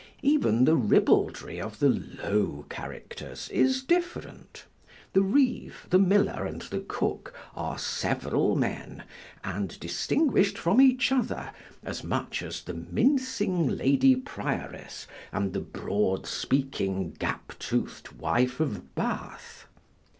Even the ribaldry of the low characters is different: the Reeve, the Miller, and the Cook are several men, and distinguished from each other, as much as the mincing Lady Prioress and the broad speaking gap tooth'd Wife of Bath.